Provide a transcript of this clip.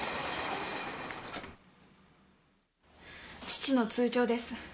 父の通帳です。